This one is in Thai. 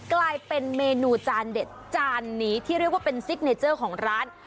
กลายเป็นเมนูจานเด็ดจานนี้ที่เรียกว่าเป็นซิกเนเจอร์ของร้าน